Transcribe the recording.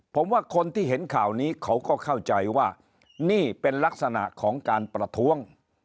ผมว่าคนที่เห็นข่าวนี้เขาก็เข้าใจว่านี่เป็นลักษณะของการประท้วง